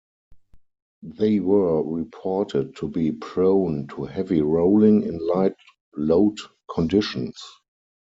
They were reported to be prone to heavy rolling in light load conditions.